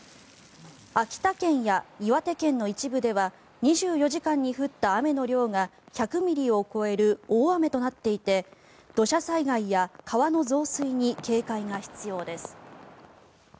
秋田県や岩手県の一部では２４時間に降った雨の量が１００ミリを超える大雨となっていて土砂災害や川の増水に警戒が必要です。